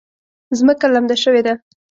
ځمکه لمده شوې ده